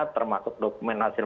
termasuk dokumen hasil